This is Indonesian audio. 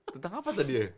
tentang apa tadi ya